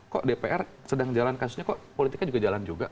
kok dpr sedang jalan kasusnya kok politiknya juga jalan juga